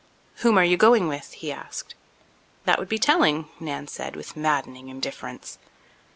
"Whom are you going with?" he asked. "That would be telling," Nan said, with maddening indifference.